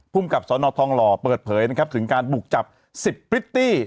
กับสนทองหล่อเปิดเผยนะครับถึงการบุกจับ๑๐พริตตี้